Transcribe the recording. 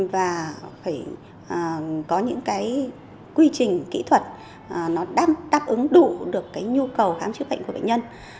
và phải có những quy trình kỹ thuật đáp ứng đủ được nhu cầu khám chữa bệnh của bệnh nhân